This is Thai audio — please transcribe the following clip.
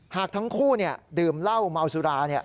หากทั้งคู่ดื่มเหล้าเมาสุรา